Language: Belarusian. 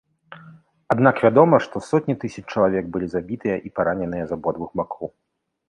Аднак вядома, што сотні тысяч чалавек былі забітыя і параненыя з абодвух бакоў.